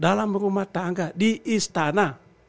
dalam rumah tangga di istana